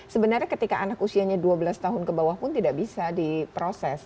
sebenarnya ketika anak usianya dua belas tahun ke bawah pun tidak bisa diproses